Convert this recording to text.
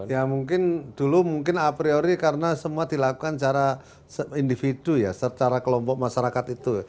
ya mungkin dulu mungkin a priori karena semua dilakukan secara individu ya secara kelompok masyarakat itu